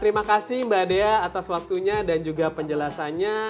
terima kasih mbak dea atas waktunya dan juga penjelasannya